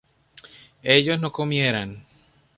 ellos no comieran